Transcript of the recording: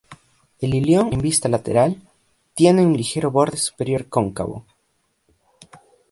El ilion en vista lateral, tiene un ligero borde superior cóncavo.